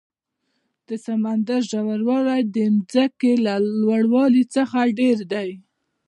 د سمندر ژور والی د ځمکې له لوړ والي څخه ډېر ده.